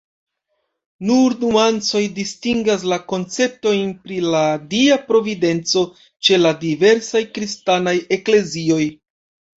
Nur nuancoj distingas la konceptojn pri la Dia Providenco ĉe la diversaj kristanaj eklezioj.